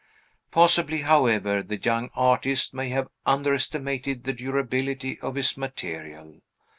Possibly, however, the young artist may have underestimated the durability of his material.